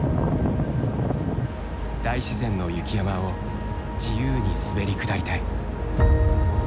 大自然の雪山を自由に滑り下りたい。